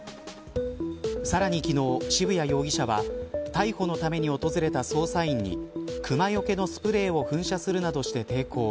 さらに昨日、渋谷容疑者は逮捕のために訪れた捜査員に熊よけのスプレーを噴射するなどして抵抗。